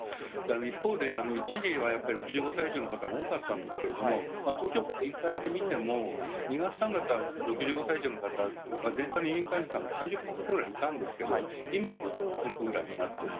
一方で、一時はやっぱり６５歳以上の方が多かったんですけれども、東京都全体で見ても、２月、３月は６５歳以上の方、全体の入院患者さんの３０％ぐらいいたんですけれども、今６％ぐらいになってる。